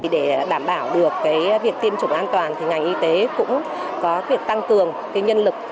để đảm bảo được việc tiêm chủng an toàn ngành y tế cũng có việc tăng cường nhân lực